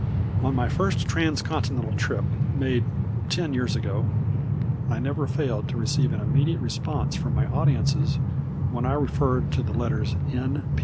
On my first transcontinental trip, made ten years ago, I never failed to receive an immediate response from my audiences when I referred to the letters N.